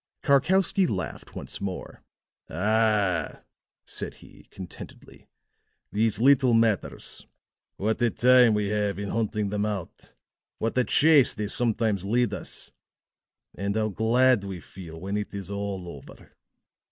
Karkowsky laughed once more. "Ah," said he, contentedly, "these little matters! What a time we have in hunting them out what a chase they sometimes lead us. And how glad we feel when it is all over."